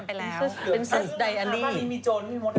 ปริ้นเซสไดอารี่ภาดนี้มีโจรพี่มด